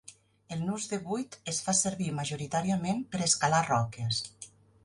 El nus de vuit es fa servir majoritàriament per escalar roques.